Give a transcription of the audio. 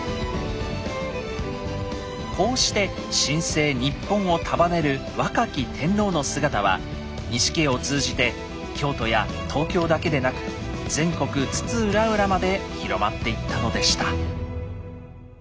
こうして新生日本を束ねる若き天皇の姿は錦絵を通じて京都や東京だけでなく全国津々浦々まで広まっていったのでした。